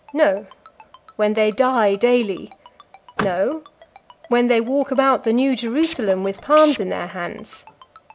no; when they die daily? no; when they walk about the New Jerusalem with palms in their hands?